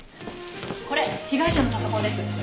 これ被害者のパソコンです。